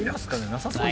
なさそう。